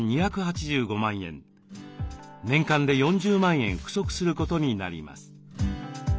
年間で４０万円不足することになります。